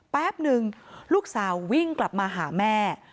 แป๊บนึงลูกสาววิ่งกลับมาหาแม่